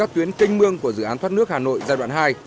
tuyến canh mương của dự án thoát nước hà nội giai đoạn hai